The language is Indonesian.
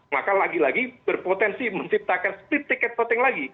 maka lagi lagi berpotensi menciptakan split ticket voting lagi